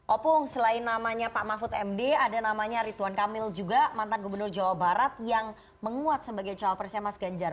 opung selain namanya pak mahfud md ada namanya ridwan kamil juga mantan gubernur jawa barat yang menguat sebagai cowok presnya mas ganjar